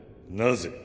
なぜ？